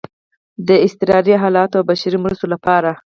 د اضطراري حالاتو او بشري مرستو لپاره